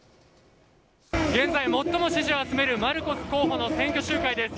現在最も支持を集めるマルコス候補の選挙集会です。